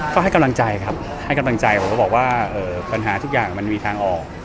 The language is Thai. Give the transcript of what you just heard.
ก็ให้กำลังใจครับให้กำลังใจผมก็บอกว่าปัญหาทุกอย่างมันมีทางออก